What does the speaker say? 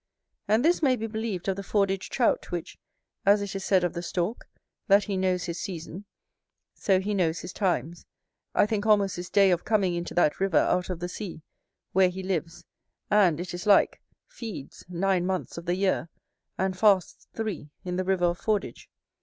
And this may be believed of the Fordidge Trout, which, as it is said of the stork, that he knows his season, so he knows his times, I think almost his day of coming into that river out of the sea; where he lives, and, it is like, feeds, nine months of the year, and fasts three in the river of Fordidge.